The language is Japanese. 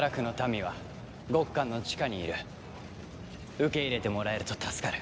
受け入れてもらえると助かる。